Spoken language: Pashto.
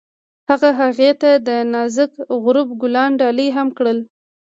هغه هغې ته د نازک غروب ګلان ډالۍ هم کړل.